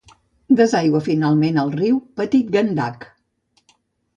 Desaigua finalment al riu Petit Gandak.